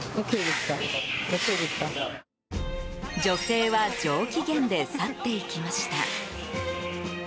女性は上機嫌で去っていきました。